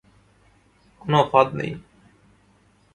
কোনো ফাঁদ নেই।